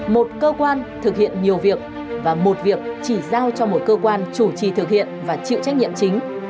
một cơ quan thực hiện nhiều việc và một việc chỉ giao cho một cơ quan chủ trì thực hiện và chịu trách nhiệm chính